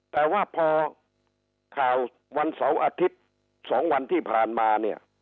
แต่ว่าพอข่าววันเสาร์อาทิตย์๒วันที่ผ่านมาเนี่ย